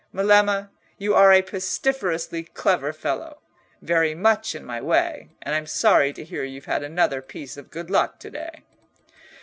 Melema, you are a pestiferously clever fellow, very much in my way, and I'm sorry to hear you've had another piece of good luck to day."